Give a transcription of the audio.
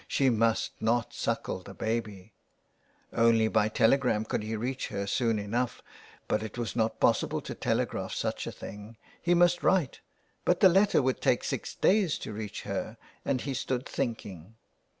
She must not suckle the baby ! Only by telegram could he reach her soon enough, but it was not pos sible to telegraph such a thing. He must write, but the letter would take six days to reach her, and he stood thinking.